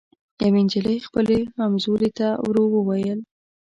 یوې نجلۍ خپلي همزولي ته ورو ووېل